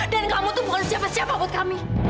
dan kamu tuh bukan siapa siapa buat kami